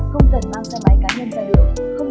không cần mang xe máy cá nhân ra đường